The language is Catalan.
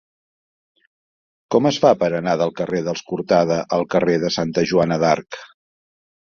Com es fa per anar del carrer dels Cortada al carrer de Santa Joana d'Arc?